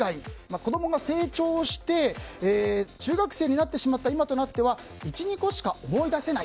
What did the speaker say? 子供が成長をして中学生になってしまった今となっては１、２個しか思い出せない。